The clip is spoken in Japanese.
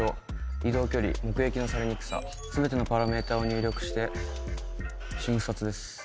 移動距離目撃のされにくさ全てのパラメーターを入力して瞬殺です。